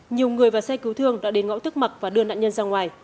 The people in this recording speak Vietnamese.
nhiều người và xe cứu thương đã đến ngõ tức mặc và đưa nạn nhân ra ngoài